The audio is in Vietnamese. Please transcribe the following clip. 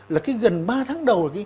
là cái gần ba tháng đầu